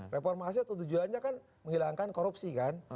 reformasi atau tujuannya kan menghilangkan korupsi kan